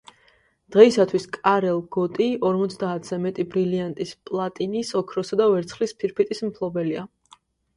დღეისათვის კარელ გოტი ორმოცდაათზე მეტი ბრილიანტის, პლატინის, ოქროსა და ვერცხლის ფირფიტის მფლობელია.